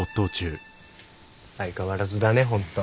相変わらずだね本当。